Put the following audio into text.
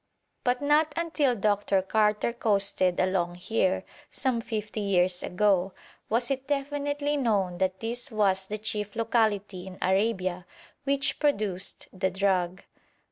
But not until Dr. Carter coasted along here some fifty years ago was it definitely known that this was the chief locality in Arabia which produced the drug.